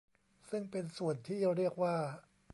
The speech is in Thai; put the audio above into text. ซึ่งเป็นส่วนที่เรียกว่า